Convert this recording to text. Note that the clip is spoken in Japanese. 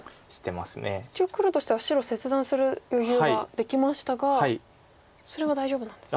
一応黒としては白切断する余裕はできましたがそれは大丈夫なんですか？